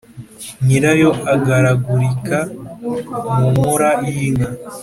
Nyirayo agaragurika mu nkora y’inka